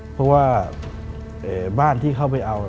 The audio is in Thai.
เพราะว่าบ้านที่เข้าไปเอา